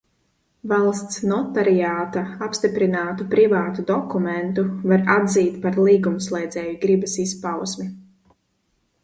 Valsts notariāta apstiprinātu privātu dokumentu var atzīt par līgumslēdzēju gribas izpausmi.